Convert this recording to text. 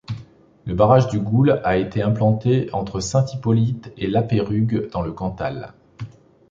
Le barrage du Goul a été implanté entre Saint-Hippolyte et Lapeyrugue, dans le Cantal.